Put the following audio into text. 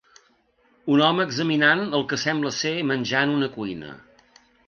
Un home examinant el que sembla ser menjar en una cuina.